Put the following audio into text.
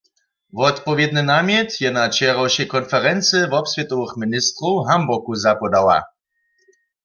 Wotpowědny namjet je na wčerawšej konferency wobswětowych ministrow w Hamburgu zapodała.